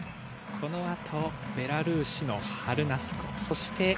この後、ベラルーシのハルナスコ。